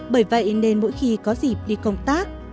bởi vậy nên mỗi khi có dịp đi công tác